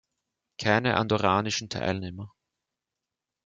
Keine andorranischen Teilnehmer.